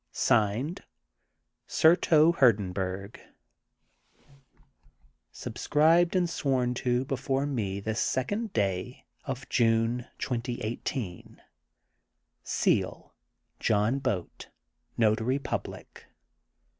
(Signed) Surto Hurdenbnrg. Subscribed and sworn to before me this Second Day of June, 2018, (Seal) John Boat Notary Public.